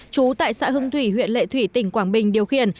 trú tại xã hưng thủy huyện lệ thủy tỉnh quảng bình điều khiển